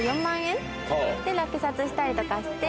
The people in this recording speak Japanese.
で落札したりとかして。